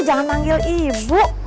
jangan panggil ibu